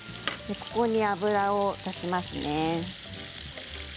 ここに油を足しますね。